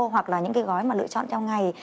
hoặc là những cái gói mà lựa chọn theo ngày